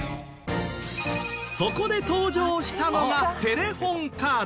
そこで登場したのがテレホンカード。